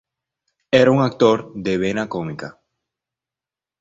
Era un actor de vena cómica.